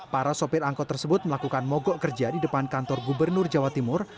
para sopir angkot tersebut melakukan mogok kerja di depan kantor gubernur jawa timur